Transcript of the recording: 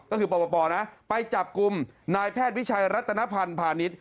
ก็คือปปนะไปจับกลุ่มนายแพทย์วิชัยรัตนพันธ์พาณิชย